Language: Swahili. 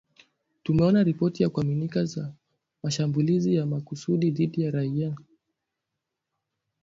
Tumeona ripoti za kuaminika za mashambulizi ya makusudi dhidi ya raia